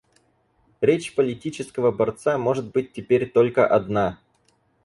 Речь политического борца может быть теперь только одна.